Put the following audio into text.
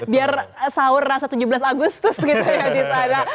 biar sahur rasa tujuh belas agustus gitu ya di sana